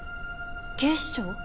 警視庁？